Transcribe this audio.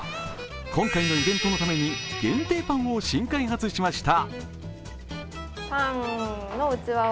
今回のイベントのために限定パンを新開発しました。